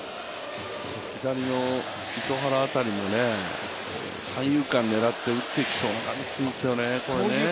左の糸原辺りも三遊間狙って打ってきそうな感じだよね。